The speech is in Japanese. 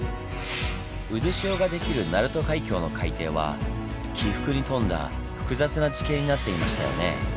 渦潮ができる鳴門海峡の海底は起伏に富んだ複雑な地形になっていましたよね。